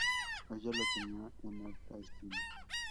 Ella lo tenía en alta estima.